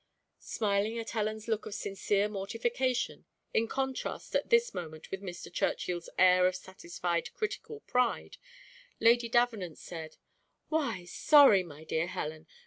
Smiling at Helen's look of sincere mortification, in contrast at this moment with Mr. Churchill's air of satisfied critical pride, Lady Davenant said, "Why sorry, my dear Helen?